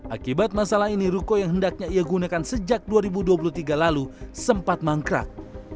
akibat masalah ini ruko yang hendaknya ia gunakan sejak dua ribu dua puluh tiga lalu sempat mangkrak